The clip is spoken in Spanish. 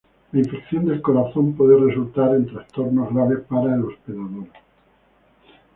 La infección del corazón puede resultar en trastornos graves para el hospedador.